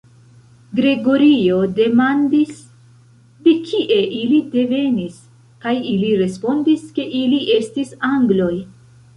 Gregorio demandis, de kie ili devenis, kaj ili respondis ke ili estis angloj.